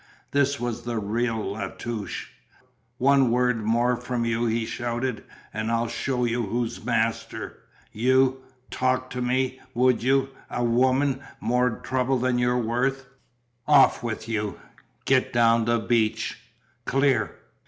This was the real La Touche. "One word more from you," he shouted, "and I'll show you who's master. You! Talk to me, would you! A woman more trouble than you're worth. Off with you, get down the beach clear!"